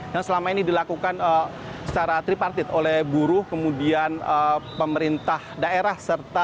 yang selama ini dilakukan secara tripartit oleh buruh kemudian pemerintah daerah